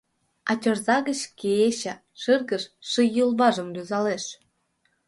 А тӧрза гыч Кече, шыргыж, Ший йолважым рӱзалеш.